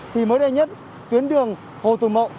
thì mới đây nhất tuyến đường hồ tùng mậu